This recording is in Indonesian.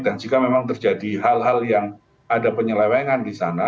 jika memang terjadi hal hal yang ada penyelewengan di sana